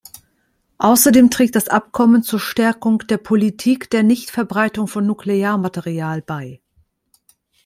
Außerdem trägt das Abkommen zur Stärkung der Politik der Nichtverbreitung von Nuklearmaterial bei.